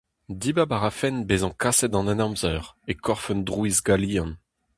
Dibab a rafen bezañ kaset d'an Henamzer, e korf un drouiz galian !